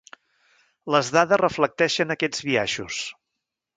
Les dades reflecteixen aquests biaixos.